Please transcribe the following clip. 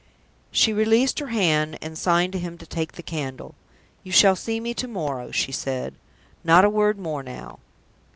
She released her hand, and signed to him to take the candle. "You shall see me to morrow," she said. "Not a word more now!"